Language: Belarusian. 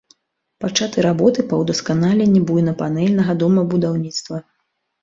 Пачаты работы па ўдасканаленні буйнапанэльнага домабудаўніцтва.